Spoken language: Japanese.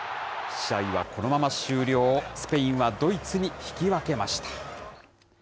試合はこのまま終了、スペインはドイツに引き分けました。